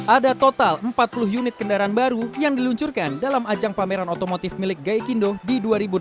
ada total empat puluh unit kendaraan baru yang diluncurkan dalam ajang pameran otomotif milik gaikindo di dua ribu delapan belas